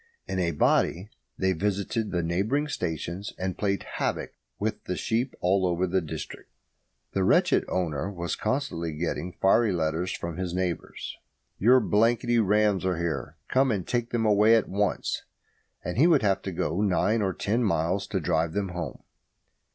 In a body they visited the neighbouring stations, and played havoc with the sheep all over the district. The wretched owner was constantly getting fiery letters from his neighbours: "Your blanky rams are here. Come and take them away at once," and he would have to go nine or ten miles to drive them home.